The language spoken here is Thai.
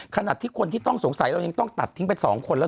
ขณะที่คนที่ต้องสงสัยเรายังต้องตัดทิ้งไป๒คนแล้ว